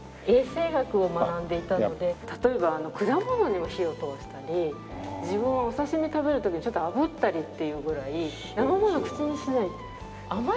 衛生学を学んでいたので例えば果物にも火を通したり自分はお刺し身食べる時にちょっとあぶったりっていうぐらい生もの口にしないんです。